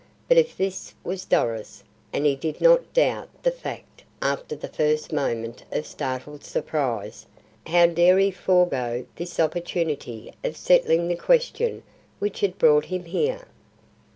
But if this was Doris and he did not doubt the fact after the first moment of startled surprise how dare he forego this opportunity of settling the question which had brought him here.